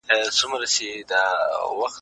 افغاني توکو نړیوال شهرت ترلاسه کړی و.